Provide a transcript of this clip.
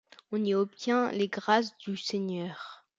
On y obtient les grâces du seigneur.